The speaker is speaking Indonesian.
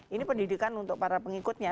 ini pendidikan untuk para pengikutnya